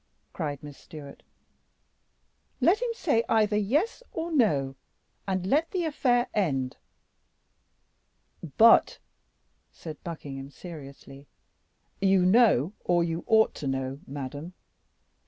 cried Miss Stewart. "Let him say either 'Yes,' or No,' and let the affair end." "But," said Buckingham, seriously, "you know, or you ought to know, madame, that M.